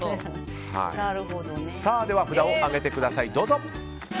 では、札を上げてください。